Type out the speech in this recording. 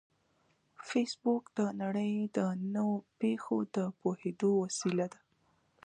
فېسبوک د نړۍ د نوو پېښو د پوهېدو وسیله ده